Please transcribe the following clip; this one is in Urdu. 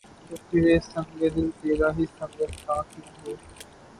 تو پھر‘ اے سنگ دل! تیرا ہی سنگِ آستاں کیوں ہو؟